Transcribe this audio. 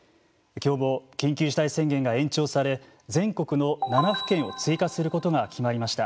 きょうも緊急事態宣言が延長され全国の７府県を追加することが決まりました。